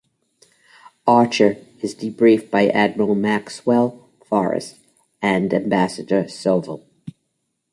Archer is debriefed by Admiral Maxwell Forrest and Ambassador Soval.